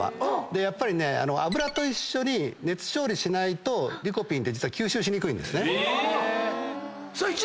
でやっぱりね油と一緒に熱調理しないとリコピンって実は吸収しにくいんですね。